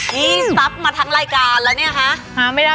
นี่สตัฟมาทั้งรายการแล้วเนี่ยคะ